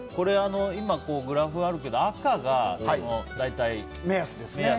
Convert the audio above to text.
今、グラフがあるけど赤が大体の目安と。